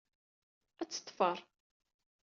Ad tt-teffer.